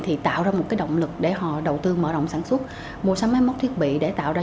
thì tạo ra một cái động lực để họ đầu tư mở rộng sản xuất mua sắm máy móc thiết bị để tạo ra